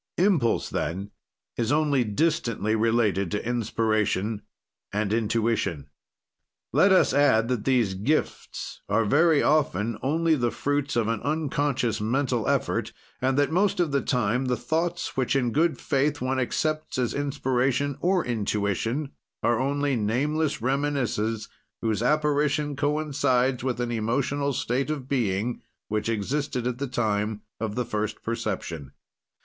Impulse, then, is only distantly related to inspiration and intuition. Let us add that these gifts are very often only the fruit of an unconscious mental effort, and that, most of the time, the thoughts, which in good faith one accepts as inspiration or intuition, are only nameless reminiscences, whose apparition coincides with an emotional state of being, which existed at the time of the first perception.